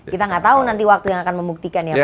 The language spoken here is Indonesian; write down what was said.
kita nggak tahu nanti waktu yang akan membuktikan ya pak